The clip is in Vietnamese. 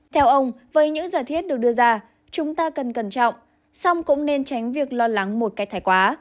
theo ông với những giải thiết được đưa ra chúng ta cần cẩn trọng xong cũng nên tránh việc lo lắng một cách thải quá